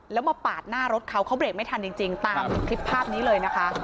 แล้วมาปาดหน้ารถเขาเขาเบรกไม่ทันจริงตามคลิปภาพนี้เลยนะคะ